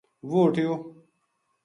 وہ اُٹھیو